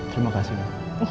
terima kasih ibu